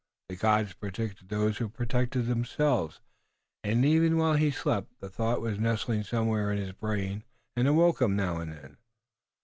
The gods protected those who protected themselves, and, even while he slept, the thought was nestling somewhere in his brain and awoke him now and then.